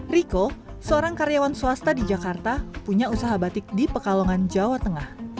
riko seorang karyawan swasta di jakarta punya usaha batik di pekalongan jawa tengah